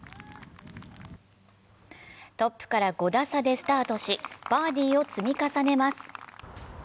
トップから５打差でスタートし、バーディーを積み重ねます。